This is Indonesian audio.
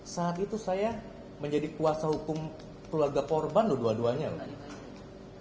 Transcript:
saat itu saya menjadi kuasa hukum keluarga korban loh dua duanya